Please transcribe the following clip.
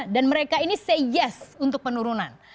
dan mereka ini say yes untuk penurunan